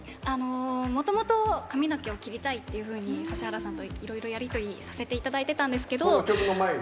もともと髪の毛を切りたいっていうふうに指原さんと、いろいろやり取りさせていただいていたんですけど。